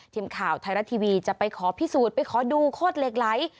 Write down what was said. ทีมข่าวไทยรัฐทีวีจะไปขอพิสูจน์ไปขอดูโคตรเหล็กไหล